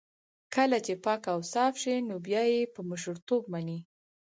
کله چې پاک اوصاف شي نو بيا يې په مشرتوب مني.